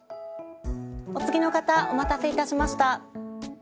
お次の方お待たせいたしました。